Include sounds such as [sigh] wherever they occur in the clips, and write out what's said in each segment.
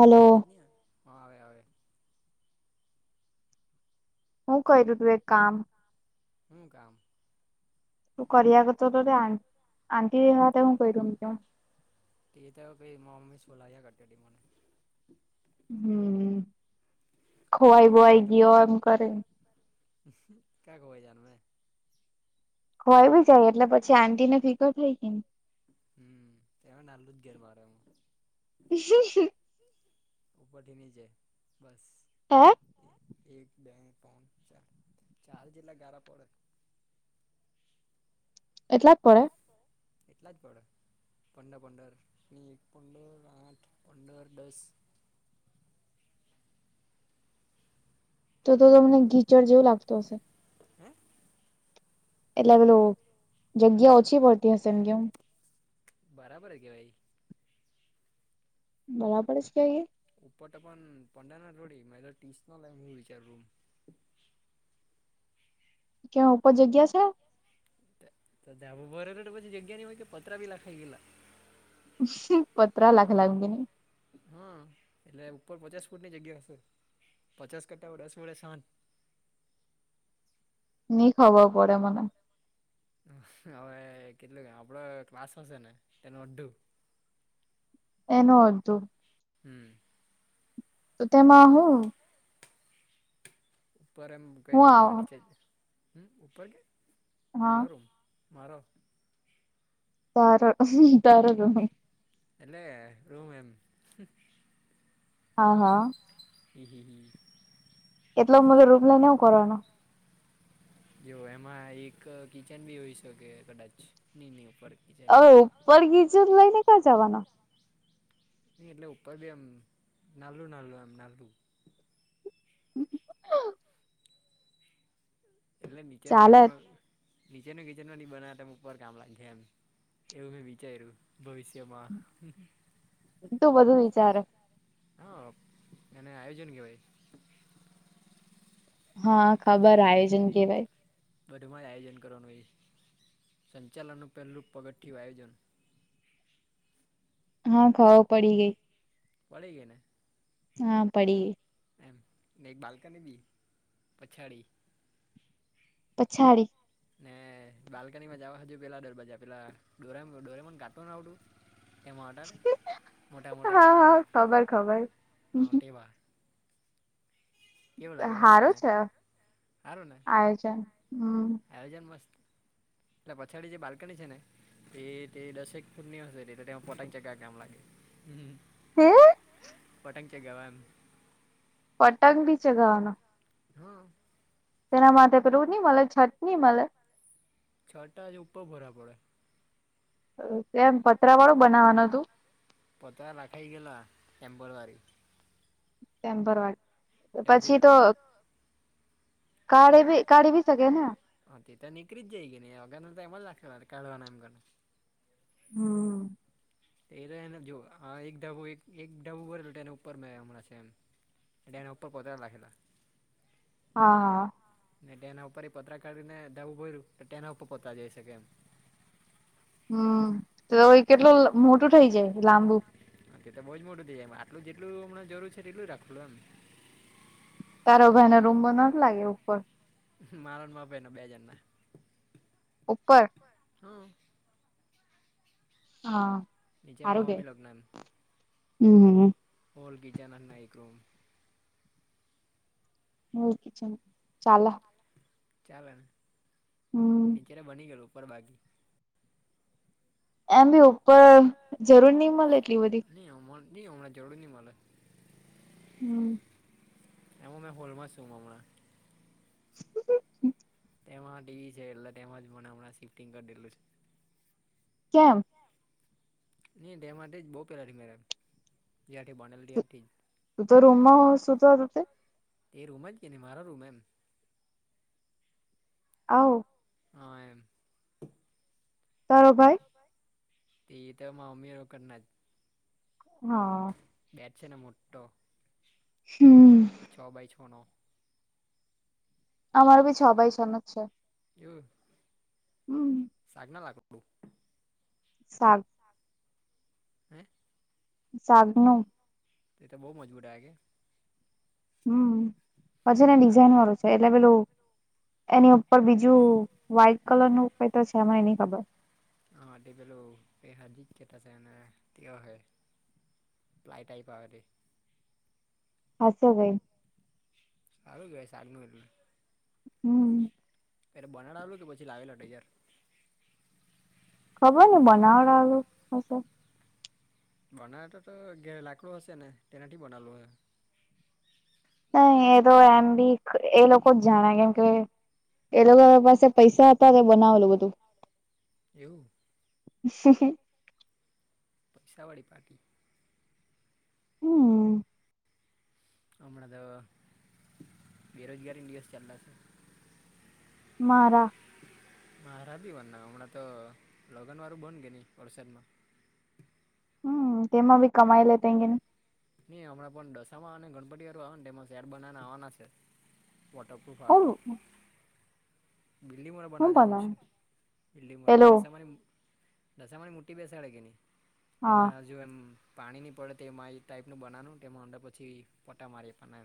એ અવાજ નહ આવેવે આવેવે હું કર હલો તું એક કામ હું કામ. તું કર ક ચો ત આન્ટ હ ત હું ક દઉ તું તેક તોવે પી મમી સોલાહહી ક હતીડી મને હમ કરવા ખોવાઈ પણ બોવાઈ ગયો એમ કરે. ક્યા ખોવાય જાનમે હોય બી જાય એટલે પછી આટી ને ફિકર થઈ ગઈ ને હમ એમાં નાલું જ ઘેર મારે એમાં. [inaudible] ઉપરથીની છે. બસ હા એક બે પાન ચાર ચાર જેટલા ગળા પડે. એટલા જ પ એટલા જ પડે. પંદર પંદર એક પંદર આઠ પંદર દસ તો તો ત મને ગીચડ જેવું લાગતો હશે. હે? એટલે પેલું જગ્યા ઓછી પડતી હશે એમ કેમ. બરાબર હ કે ભાઈ. બરાબર જ ક્યાંય ઉપટ પણ પંડાના રોડી મા ટીસનો લ હું વિચારુ. કેયાં ઉપર જગ્યા છે. તો ધાબ બર પછી જગ્યા ની હોય કે પત્રા બી લખાયાઈ ગેલા પત્ર લખલા અગીની. હા એટલે ઉપર પચાસ ફૂટ ની જગ્યા હશે પચાસ કરતા રસ વડે સાજ ન ખબર પડે મને. હવે કેટલું કે આપડો ક્લાસ હશે ને તેનું અડધું. એનો અડથુ હમ. તો તેમાં હું. ઉપર એમ કઈ હું નહી બનવા આવ નીચે હમ ઉપર કે મ હા રમ મારો. તાર તાર એલે રૂમ એમ. હા હા. હમ હમ હમ. એટલો મ રૂમ લને નવું કરવાનો. જો એમાં એક કિચન બી હોઈ શકે કદાચ. નિનીની ઉપર ઓ ની જોઈ ઉપર ગીજું લઈ ને ક્યાં જવાનું? નહી એટલે ઉપર બી એમ ના નાલલું એમ નાલું. [inaudible] એટલે નીચેનું ચાલે કિચન માં નીચેનું કિચન માં નહી બનાવ ત ઉપર કામ લાગે છે એમ. એવું મેં વિચાર્યું ભવિષ્યમાં. તું બધું વિચારે. હા એને આયોજન કેવાય. હા ખબર આજન કેવાય. બધમાં જ આયોજન કરવાનું હોય છે સંચાલનનું પહેલું પગથયું આયોજન. હા ઘર પડી ગઈ. પળીગેના? હા પડી. એમ ને એક બાલ્કની બી પછાડી. પછાડી. ને બાલ્કની માં જવા હજુ પેલા દરવાજા પેલા ડોરે ડોરે મને કાટું ના આવડું. એમાંટલ મોટા મોટા હા હા ખબર ખબર હ ટટેવા. લાગે મસ્ત સારો ને છે સારું ને આયોજન હમ. આયોજન મસ્ત એટલે પછાડી જે બાલ્કની છે ને તે તે દસેક ફૂટની હશે તે તેમાં પોટક જગ ગામ લાગે હે પટંગ કે ગવાન પટંગ બી છે ગવાનો. હા. તેના માટેથે રૂની મળ છટની મળલ છટાં જ ઉપર ભરા પડે એમ પતરા વાળું બનાવવાનું હતું? પતા લખાઈ ગલા ટેમ્બલરી. ટેમ્પોરરી, પછી એજ તો શું કાઢી ભી કાઢી ભી સગે. હા તે તો નીકળી જાય ગઈ ને અગર તો એમ જ લાગશે મારે કાઢવાના એમ ગને હમ. એલે એને જો આ એક ડાબો એક ડાબું ભરેલો એને ઉપર મે હમણાં છે એમ ડ એના ઉપર પતાાર લ રાખેલા હા. ને તેના ઉપર એ પતરા કાઢીને દાવું ભર્યું તો તેના ઉપર પોતરા જઈ શકે એમ. હમ્મ, તો હવે કેટલું મોટું થઇ જાય લાંબુ? તો બઉજ મોટું થઇ જાય, આટલું જેટલું હમણા જરૂર છે તેટલું રાખડું એમ. તારો ભાઈ ના રૂમમાં નથ લાગે ઉપર? મારો ન મારો ભઈ બે જણ ના. ઉપર? હા. હા નીચેમાં આરોગે મમ્મી લગ્ન એમ હમ્મ. હોલ કિચન અને ના એક રૂમ. મો કિચન ચાલે. ચાલે ને? હમ નીચે બની ગયેલું ઉપર બાકી. એમ ભી ઉપર જરૂર ની મળે એટલી બધી. ની હમણા ની હમણાં જરૂર ની મળે. હમ્મ. એમો મેં હોલમાં છું હમણાં. તેમાં ટી વી છે એટલે તેમાજ મને હણાં શિફ્ટિંગ કરી દેલું છે. કેમ? ની તે માટે જ બવ પેલાથી મે રેમ જારથી બનેલ તથી. તું તો રૂમ સુધા હતો તે? તે રૂમ જ કે ની મારો રૂમ એમ. આવ. હા એમ. તરોબ. તે તો મમ્મી રકડના હા. બેડ છેને મોટો. હમ્મ. છ બાય છ નો. અમારે બી છ ભાઈ છ નો જ છે. એવું? હમ્મ. સાગ ના લાક સાગ. હે? સાગનો તે તો બહુ મજબૂત આવે કે? હમ્મ, પછી ને હાર ડિઝાઈન વાળું છે એટલે પેલું એની ઉ પર બીજું વ્હાઈટ કલર નું ઉપાય તો છે એમાં એની ખબર. હા તે પેલું પે હજી જ કેતાશે ને તે હહૈ. પ્લાઇ ટાઈપ આવે તે. હશે ભઈ. હારું કેવાય સાગનું એટલે. હમ્મ. ક્યારે બનાડાવલું કે પછી લાવેલા તૈયાર? ખબર ની બનાવડાવેલું હશે. બનાવે તો તો ઘેર લાકડું હશે ને તેનાથી બનાવલું અહે. નહી એ તો એમ બી એ લોકો જ જાણે કેમ કે એ લોકો પાસે પૈસા હતા કે બનાવેલું બધું. એવું? પૈસા વાળી પાર્ટી. હમ. હમણાં તો બેરોજગારી દિવસ ચાલલા છે. મારા. મા રાબીવાર ના હમણાં તો લગ્ન વાળું બન કે ની વરસાદમાં. હમ તેમાં ભી કમાઈ લે તઇ જઈને. નઈ હમણાં પણ દસામાં અને ગણપતિ અરુ આવેન તેમાં શેડ બનાના આવવાના છે. વોટરપ્રૂફ આવે તે. બિલ્ડીિંગ વારા હું બનાવા જવાનું બનાવે છે, બિલ્ડીિંગ વારા પેલું ડસામા ની દશામાંની મૂર્તિ બેસાડાય કે ની, હા એના હજુ એમ પાણી ની પડે તેમા એ ટાઈપનું બનાવાનું તેમાં અંદર પછી પટા મારી પણે.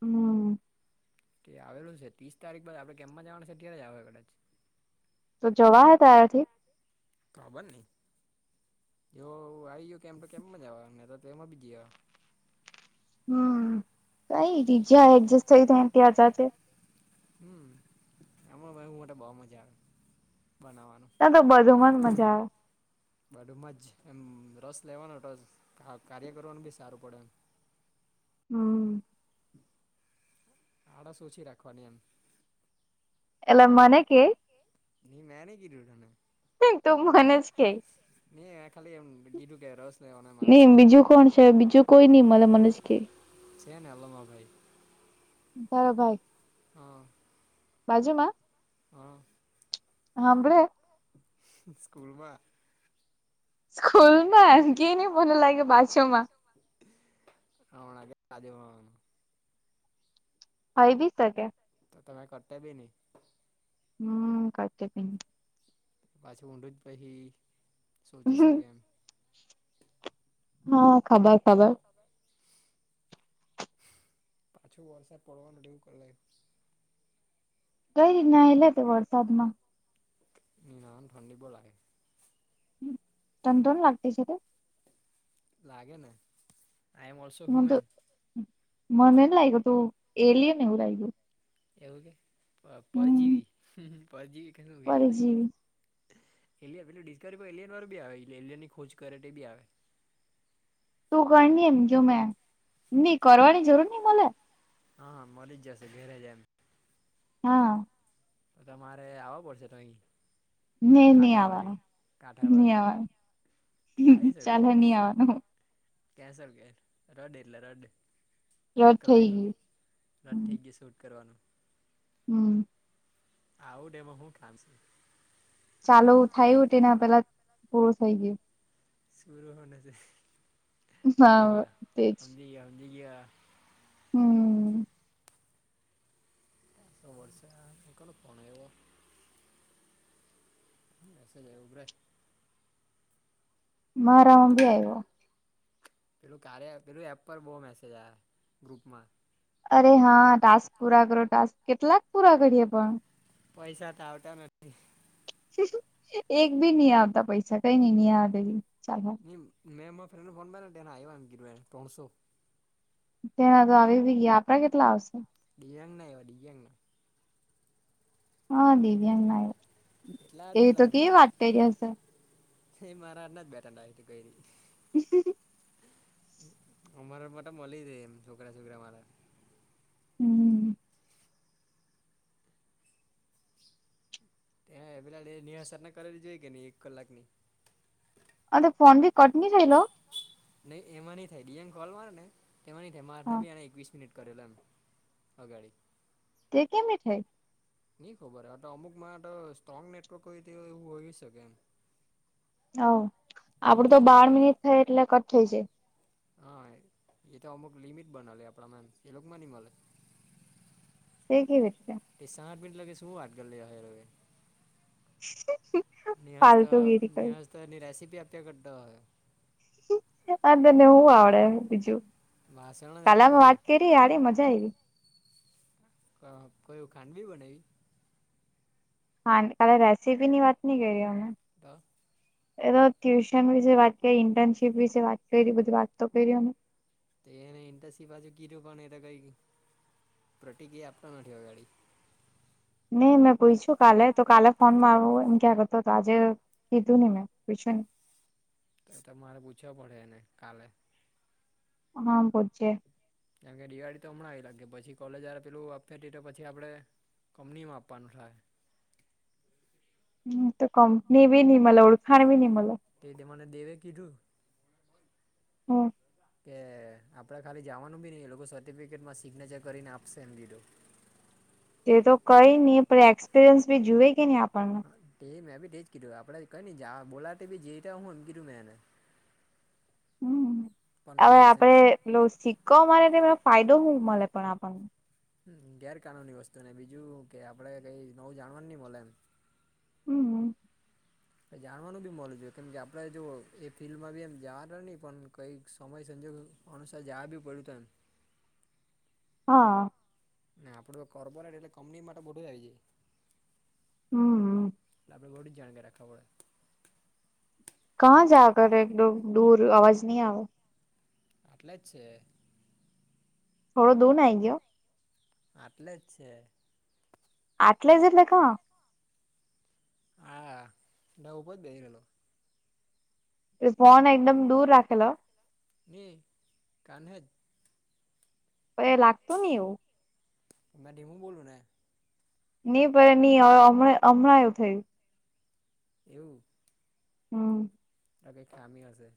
હમ. તે આવેલું છે ત્રીસ તારીખ બાદ આપણે કેમમાં જવાના છે્યારે જ આવે કદાચ. તો જવાહે તારાથી? ખબર ની, જો આઇયો કેમ્પ એ કેમમ જાવા મેં તો તેમાં બી ગયા. હમ કઈ ની જ્યા એડજસ્ટ થય ત ત્યાં જાતે. હમ, આમા ભઈ માટે બઉ મજા આવે, બનાવવાનું. ત્યાં તો બધું મન મજા આવે. બાડુમાં જ એમ રસ લેવાનો તો કા કાર્ય કરવાનું બી સારું પડે એમ. [inaudible] હમ. આળસ ઓછી રાખવાની એમ. એટલે મને કે? ની મે ની કીધું તને. નહીં તો મને જ કે. ને ખાલી એમ કીધું કે રસ લેવાનો માણસ નહી ની બીજું રાખવાનું કોણ છે બીજું કોઈ નહી મલે મને જ કે. છેને એલ માં ભાઈ બરો ભાઈ. હા. બાજુમાં? હા. હાંબડો સ્કૂલ માં સ્કૂલ માં કે ન મને લાગે બા આવ નાગે બાજુમાં. હાવી બી શકે. તો તો મેં કરતા ભી નહીં. હમ્મ, કાચે પિન. પાછું ઊંડું જ પહિ સોચી શકે એમ. હા ખાબ પાછું વર્ષ પડવાનું રેવું કર લય કઈ રીતના એલા તો વરસાદ માં. નિરાન ઠંડી બોહ લાગે. તન તોન લાગતી છે તો. લાગેને આઈ એમ ઓલ્સો મન તો હ્યુમેન. મને ને લાગ્યું તું એલિયન એવું લાઇગુ. એવું કે પ-પરજીવી પરજીવી કે હું કેને. પરજીવી એલિયન પેલું ડિસ્કવરી એલિયન વાળુંી આવે એલિયનની ખોજ કરે બી આવે તું ગ એમ જો મે નઈ કરવાની જરૂર નઈ મલે. હા હા મળી જશે ઘરે જાય હા. તો તમારે આવો પડશે તો અહીં. ને ની કાઠા બાજુ આવવાનું કાઠા ની બાજુ આવવાનું આ છેકું. ચાલે ની આવવાનું કેસ કે રડ એટલે રડ રદ રટ થઈ કલું રટ થઈ ગયું ગય શૂટ કરવાનું. હમ. આવું ડેમ હું કામસી ચાલુ થાય હત ને પેલા પૂરું થઈ ગયું શર છે સમજઈ હા ગયા તેજ સમજઈ ગયા સમજઈ ગયા. હમ. વર્ષા કનો ફોન આયો એ જ એ ઉભ્રે મા રમ બી આઓ. પેલું કાર્ય પેલું એપ પર બહુ મેસેજ આ ગ્રુપમાં. અરે હા ટાસ્ક પૂરા કરો ટાસ્ક કેટલાક પૂરા કરીએ પણ. પૈસા તો આવતા નથી. એક બી નહી આવતા પૈસા કઈ નઈ ન આવ ચાલ. નહીં અમારા ફ્રેન્ડને ફોન માર્યાને એને આવ્યા એમ ગીરને ત્રણસો. તેના તો આવી બી ગયા આપડા કેટલા આવશે? દિંગ ન એ દિંગ. હા દિવ્યાંગ ના એટલા એ તો એટલા એમ કે વાત જશે એ મારાના જ બેઠા આવી કોઈ [unintelligible] [inaudible] અમારા માટે મળી જાય એમ છોકરા છોકરા મારા. હમ ત્યાં પેલા એ નિહસર ના કરેલી જોઈ કે નહી એક કલાક ની. હા તો ફોન ભી કટ નઇ થયલો. નહી એમાં નઈ થાય ડી એમ કોલ મારે ને એમાં નઈ થાય મા ના હા બીને એકવીસ મિનિટ કરેલો એમ. અગાડી. તે કેમ નઈ થાય. નઈ ખબર આ તો અમુકમાં તો સ્ટ્રોંગ નેટવર્ક હોય તેવું હોય શકે એમ [inaudible] હ આપડું તે તો બાર મિનિટ થાય એટલે કટ થઇ જાય. હા એ તો અમુક લિમિટ બનાલી આપણામાં એમ એ લોકોમાં નઈ મલે. તે કે ભટઆ. એ સાત મિનટ લગે શું વાત કર લેવાંનું હવે. નિહસ્ ફાલતુ ગીરી કરે નિહસ્ એની રેસીપી આપ્યા કરતા હોય. હા તને હું આવડે બીજું વાસણ જ કાલ આપતો અમે વાત કરી હારી બઉ મજા આવી લી. કયું ખાંડવી બનાવી. હા કાલે રેસીપી ની વાત નહી કરી અમે. [unintelligible] એ તો ટ્યુશન વિશે વાત કરી ઇન્ટર્નશીપ વિશે વાત કરી બધી વાતતો કરી અમે તે એને ઇન્ટસ્ટ્રી બાજુ કીધું પણ એ તો કઈ પ્રતિક્રિયા આપવા નથી અગાડી નહી મેં પૂછયૂ કાલે તો કાલે ફોન મારવું એમ કેતો તો આજે કીધું નમેં પૂછ્યું. તો તો મારે પૂછવ પડે એને કાલે હા પૂછજે કારન કે દિવાળી તો હમણાં આવી લાગે પછી કોલેજ પેલા ડેટા આપે તો પછી આપડે કંપનીમાં આપવાનું થાય હવે તો કંપની બી ની મળે ઓળખાણ બી નહી મલે તે તો મને દેવે કીધું હમ કે આપણે ખાલી જવાનું બી નહી લોકો સર્ટિફિકેટમાં સિગ્નેચર કરીને આપશે એમ લીધું તે તો કઈ નહી પણ એક્સપિરિયન્સ ભી જુએ કે નહી આપણને? તે મેં ભી એજ કીધું આપડે કઈ નઈ બોલાવે તો જઈ જ આવાનું એમ કીધું મેં એને હમ પંદર હવે દિવસ એમ આપડે સિક્કો મારે લો તો ફાયદો હું મળે આપણને? હ ગેરકાનૂની વસ્તુને બીજું કે આપડે કઈ નવું જાણવાનું નહી મલે એમ હમ જાણવાનું બી મળું જોઈ કેમ કે આપણે જો એ ફિલ્ડમાં બી એમ જવાના નહીં પણ કંઈક સમય સંજોગો અનસાર જયા પડ્યું તન હા ના આપડું કો્બોરેટ એટલે કંપની માટે બધું જ આવી જાય હમ એટ આપડે બધી જાણકારી રાખવી પડે કં જા કર એકદમ દૂર આવાજ ન આયો આટલે જ છે થોડો દૂર ના હિ ગયો આટલે જ છે આટલે જ એટલે ક્યાં? હા ડવ ઉપ જ બેહિ રહેલો ફોન એકદમ દૂર રાખેલો હે કાન જ એ લાગતું નહી એવું મેં ડીમું બોલું ને નહી પણ નહી હમ હમણાં એવું થયું એવું? હમ એ કઈ ખામી હશે!